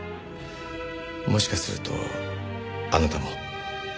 もしかするとあなたも。